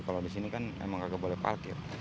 kalau di sini kan emang nggak boleh parkir